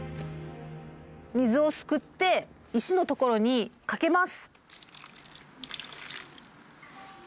水をすくって石の所にかけます。